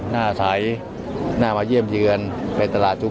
ตราบใดที่ตนยังเป็นนายกอยู่